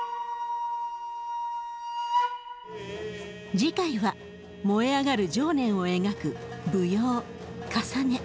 次回は燃え上がる情念を描く舞踊「かさね」。